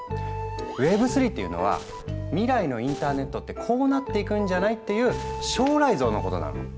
Ｗｅｂ３っていうのは「未来のインターネットってこうなっていくんじゃない？」っていう将来像のことなの。